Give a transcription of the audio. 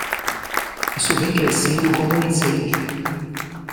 Isso vem crescendo como um incêndio!